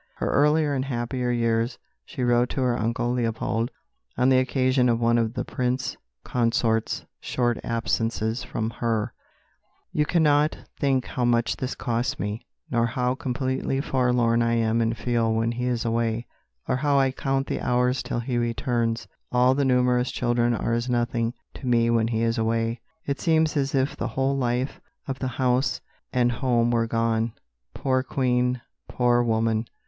In earlier and happier years she wrote to her uncle Leopold on the occasion of one of the Prince Consort's short absences from her: "You cannot think how much this costs me, nor how completely forlorn I am and feel when he is away, or how I count the hours till he returns. All the numerous children are as nothing to me when he is away. It seems as if the whole life of the house and home were gone." Poor Queen, poor woman!